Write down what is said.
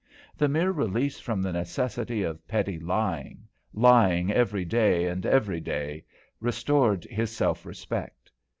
The mere release from the necessity of petty lying, lying every day and every day, restored his self respect.